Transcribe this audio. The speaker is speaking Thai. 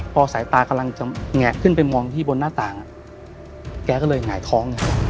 พอสายตากำลังจะแงะขึ้นไปมองที่บนหน้าต่างแกก็เลยหงายท้องไง